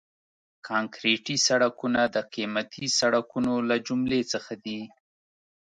کانکریټي سړکونه د قیمتي سړکونو له جملې څخه دي